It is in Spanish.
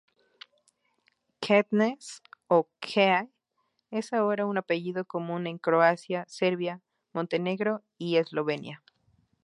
Knez o Кнез es ahora un apellido común en Croacia, Serbia, Montenegro y Eslovenia.